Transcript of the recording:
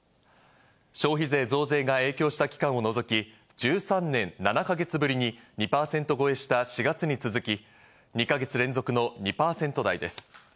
消費税増税が影響した期間を除き、１３年７か月ぶりに２％超えした４月に続き、２か月連続の２％台です。